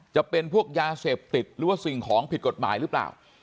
จะเป็นพวกยาเสพติดหรือว่าสิ่งของผิดกฎหมายหรือเปล่า